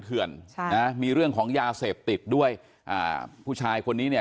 เขื่อนใช่นะมีเรื่องของยาเสพติดด้วยอ่าผู้ชายคนนี้เนี่ย